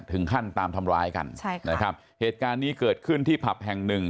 ถึงขั้นตามทำร้ายกันใช่ค่ะนะครับเหตุการณ์นี้เกิดขึ้นที่ผับแห่งหนึ่ง